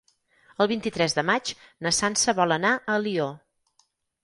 El vint-i-tres de maig na Sança vol anar a Alió.